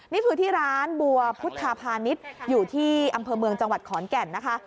นี่คือที่ร้านบัวพุทธพาณิชย์อยู่ที่อำเภอเมืองจังหวัดขอนแก่นนะคะ